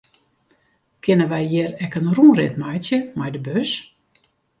Kinne wy hjir ek in rûnrit mei de bus meitsje?